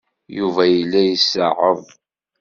Yuba yella izeɛɛeḍ.